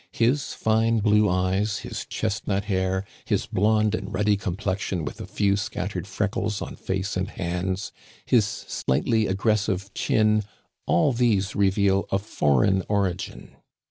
His fine blue eyes, his chestnut hair, his blonde and ruddy complex ion with a few scattered freckles on face and hands, his slightly aggressive chin — all these reveal a foreign origin.